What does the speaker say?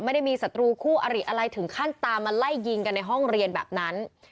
ไม่ได้มีศัตรูคู่อริอะไรถึงขั้นตามมาไล่ยิงกันในห้องเรียนแบบนั้น